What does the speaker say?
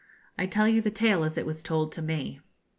I tell you the tale as it was told to me.